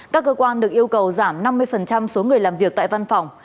các cơ quan được yêu cầu giảm năm mươi số người làm việc tại văn phòng